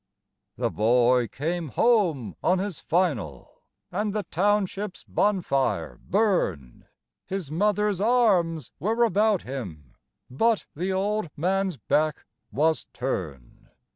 The boy came home on his "final", and the township's bonfire burned. His mother's arms were about him; but the old man's back was turned.